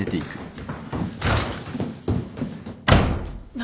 何！？